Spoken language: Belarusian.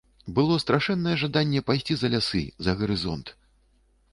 Было страшэннае жаданне пайсці за лясы, за гарызонт.